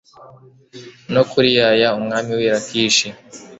no kuri Ya ya umwami w i Lakishi